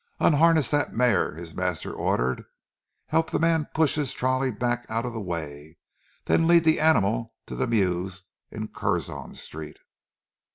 "Unharness that mare," his master ordered, "help the man push his trolley back out of the way, then lead the animal to the mews in Curzon Street.